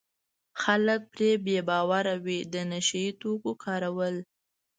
خلک پرې بې باوره وي د نشه یي توکو کارول.